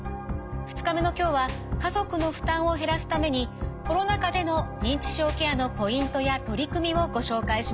２日目の今日は家族の負担を減らすためにコロナ禍での認知症ケアのポイントや取り組みをご紹介します。